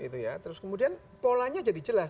terus kemudian polanya jadi jelas